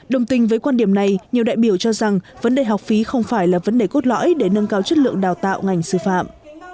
đồng tình với quan điểm này nhiều đại biểu cho rằng vấn đề học phí không phải là vấn đề cốt lõi để nâng cao chất lượng đào tạo ngành sư phạm